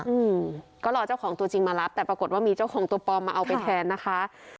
อืมก็รอเจ้าของตัวจริงมารับแต่ปรากฏว่ามีเจ้าของตัวปลอมมาเอาไปแทนนะคะ